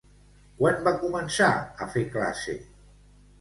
Quan va començar a fer classe?